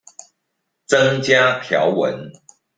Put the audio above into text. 增加條文